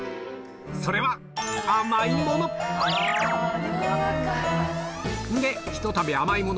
それは、甘いもの。